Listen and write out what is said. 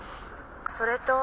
それと。